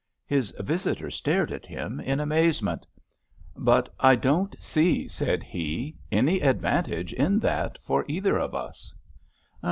His visitor stared at him in amazement. "But I don't see," said he, "any advantage in that for either of us."